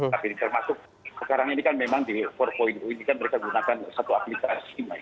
tapi termasuk sekarang ini kan memang di empat ini kan mereka gunakan satu aplikasi